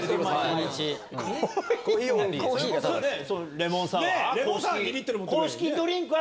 レモンサワーは？